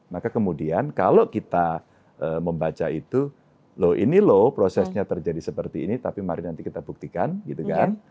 maka kemudian kalau kita membaca itu loh ini loh prosesnya terjadi seperti ini tapi mari nanti kita buktikan gitu kan